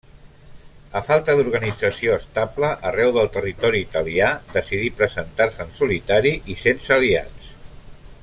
A falta d'organització estable arreu del territori italià, decidí presentar-se en solitari i sense aliats.